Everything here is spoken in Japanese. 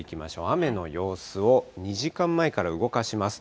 雨の様子を２時間前から動かします。